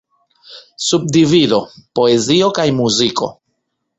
Subdivido: Poezio kaj muziko.